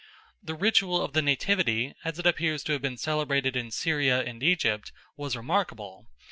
The ritual of the nativity, as it appears to have been celebrated in Syria and Egypt, was remarkable.